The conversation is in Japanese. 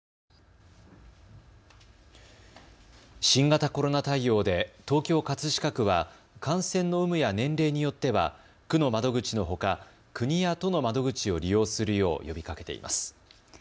新型コロナ対応で東京葛飾区は感染の有無や年齢によっては、地区の窓口のほか国や都の窓口を利用するよう呼びかけています。